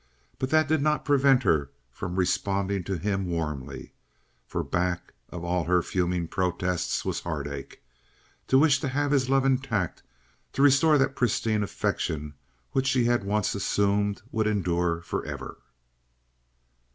But that did not prevent her from responding to him warmly, for back of all her fuming protest was heartache, the wish to have his love intact, to restore that pristine affection which she had once assumed would endure forever.